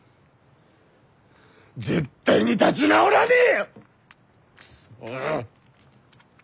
絶対に立ぢ直らねえ！